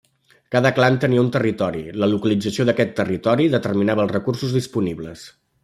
Cada clan tenia un territori, la localització d'aquell territori determinava els recursos disponibles.